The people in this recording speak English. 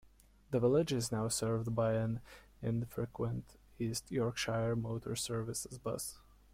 The village is now served by an infrequent East Yorkshire Motor Services bus.